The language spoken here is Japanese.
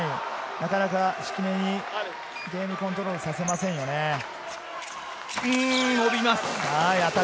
なかなか敷根にゲームコントロールをさせまうん、伸びます。